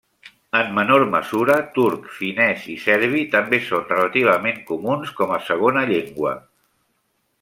En menor mesura, turc, finès i serbi també són relativament comuns com a segona llengua.